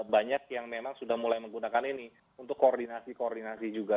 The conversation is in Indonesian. banyak yang memang sudah mulai menggunakan ini untuk koordinasi koordinasi juga